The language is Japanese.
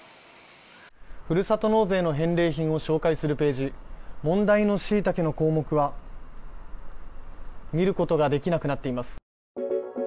ふるさと納税の返礼品を紹介するページ問題のシイタケの項目は見ることができなくなっています。